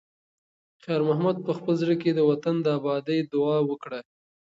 خیر محمد په خپل زړه کې د وطن د ابادۍ دعا وکړه.